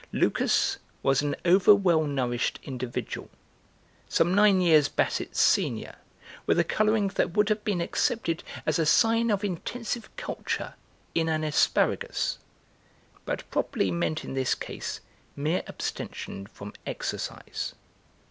Lucas was an over well nourished individual, some nine years Basset's senior, with a colouring that would have been accepted as a sign of intensive culture in an asparagus, but probably meant in this case mere abstention from exercise.